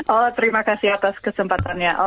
oh terima kasih atas kesempatannya